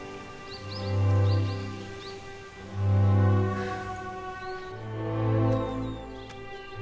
はあ。